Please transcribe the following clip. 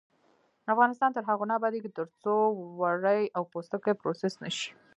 افغانستان تر هغو نه ابادیږي، ترڅو وړۍ او پوستکي پروسس نشي.